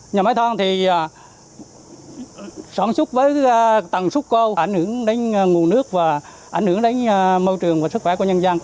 nhà máy toan sản xuất với tầng súc cao ảnh hưởng đến nguồn nước và ảnh hưởng đến môi trường và sức khỏe của nhân dân